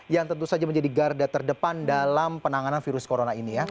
yang tentu saja menjadi garda terdepan dalam penanganan virus corona ini ya